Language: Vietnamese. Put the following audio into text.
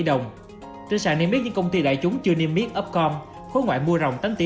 đồng trên sàn niêm miết những công ty đại chúng chưa niêm miết upcom khối ngoại mua rồng tám tỷ